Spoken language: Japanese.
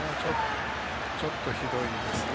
ちょっとひどいですね